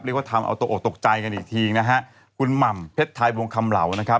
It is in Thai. ทำเอาตกออกตกใจกันอีกทีนะฮะคุณหม่ำเพชรไทยวงคำเหล่านะครับ